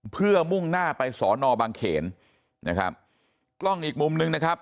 เพื่อมุ่งหน้าไปสอนอบางเขนนะครับกล้องอีกมุมนึงนะครับ